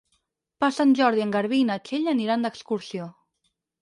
Per Sant Jordi en Garbí i na Txell aniran d'excursió.